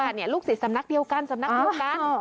อ้างว่าลูกศิษย์สำนักเดียวกันสำนักลูกกัน